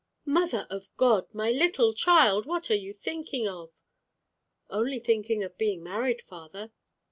"Mother of God! My little child, what are you thinking of?" "Only thinking of being married, father."